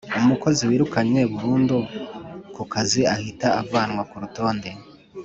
Umukozi wirukanywe burundu ku kazi ahita avanwa kurutonde.